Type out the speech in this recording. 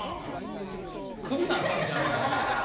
クビになったんちゃうの？